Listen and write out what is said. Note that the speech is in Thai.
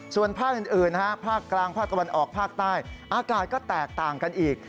ส่วนภาคอื่นภาคกลางภาคตะวันออกภาคใต้อากาศก็แตกต่างกันอีก